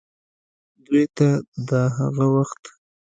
دوې ته دَ هغه وخت